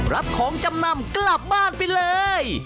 รับของจำนำกลับบ้านไปเลย